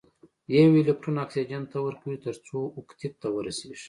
یو الکترون اکسیجن ته ورکوي تر څو اوکتیت ته ورسیږي.